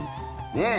ねえ。